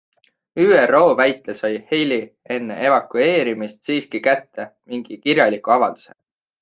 ÜRO väitel sai Haley enne evakueerumist siiski kätte mingi kirjaliku avalduse.